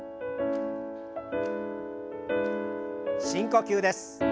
深呼吸です。